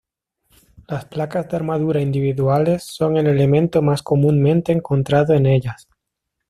Las placas de armadura individuales son el elemento más comúnmente encontrado de ellas.